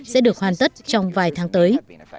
sẽ được hoàn tất trong vài tháng tới